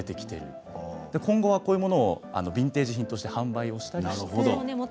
今後はこういったものをビンテージ品として販売したということです。